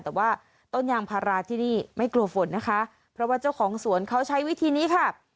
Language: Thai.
แต่ว่าต้นยางพาราที่นี่ไม่กลัวฝนนะคะเพราะว่าเจ้าของสวนเขาใช้วิธีนี้ค่ะ